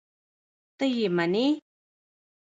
ته یې منې؟!